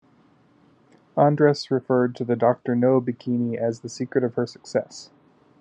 Andress referred to the "Doctor No" bikini as the "secret of her success".